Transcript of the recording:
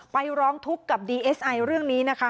ร้องทุกข์กับดีเอสไอเรื่องนี้นะคะ